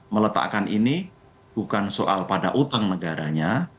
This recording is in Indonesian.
meletakkan ini bukan soal pada utang negaranya